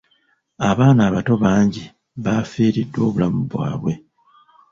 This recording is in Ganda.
Abaana abato bangi bafiiriddwa obulamu bwabwe.